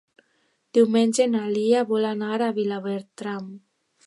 Diumenge na Lia vol anar a Vilabertran.